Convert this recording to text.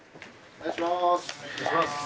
お願いします。